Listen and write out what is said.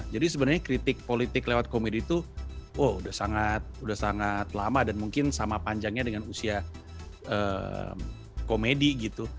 jadi sebenarnya kritik politik lewat komedi itu udah sangat lama dan mungkin sama panjangnya dengan usia komedi gitu